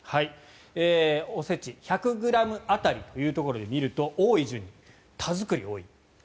お節、１００ｇ当たりというところで見ると多い順に田作りが多い。